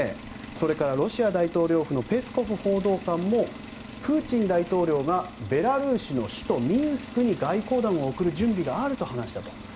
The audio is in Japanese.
それから、ロシア大統領府のペスコフ報道官もプーチン大統領がベラルーシの首都ミンスクに外交団を送る準備があると話したと。